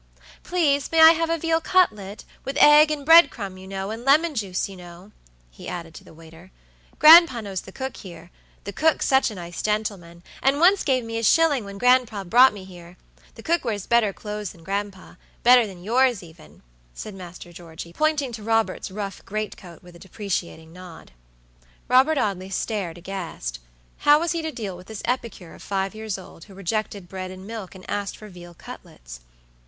Please may I have a veal cutlet, with egg and bread crumb, you know, and lemon juice you know?" he added to the waiter: "Gran'pa knows the cook here. The cook's such a nice gentleman, and once gave me a shilling, when gran'pa brought me here. The cook wears better clothes than gran'pabetter than yours, even," said Master Georgey, pointing to Robert's rough great coat with a depreciating nod. Robert Audley stared aghast. How was he to deal with this epicure of five years old, who rejected bread and milk and asked for veal cutlets?